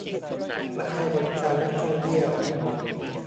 และให้บริการนักท่องเที่ยว